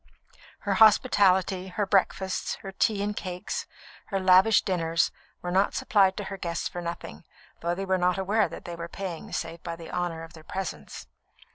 Her hospitality, her breakfasts, her tea and cakes, her lavish dinners, were not supplied to her guests for nothing, though they were not aware that they were paying save by the honour of their presence.